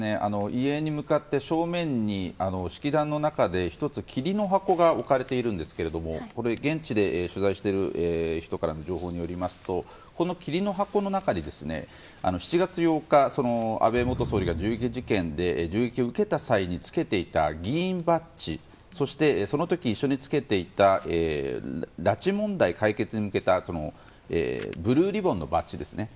遺影に向かって正面に式壇の中で１つ、桐の箱が置かれているんですけどもこれ、現地で取材している人からの情報によるとこの桐の箱の中に、７月８日安倍元総理が銃撃事件で銃撃を受けた際につけていた議員バッジそして、その時一緒につけていた拉致問題解決に向けたブルーリボンのバッジですね。